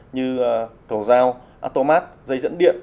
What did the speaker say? như cầu dao automat dây dẫn điện